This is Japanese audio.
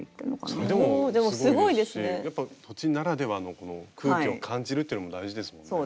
それでもすごいですしやっぱ土地ならではの空気を感じるっていうのも大事ですもんね。